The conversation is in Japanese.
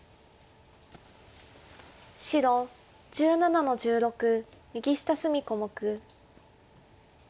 白１７の十六右下隅小目。